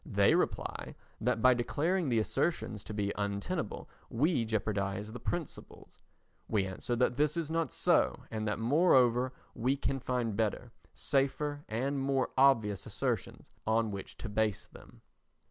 They reply that by declaring the assertions to be untenable we jeopardise the principles. We answer that this is not so and that moreover we can find better, safer and more obvious assertions on which to base them.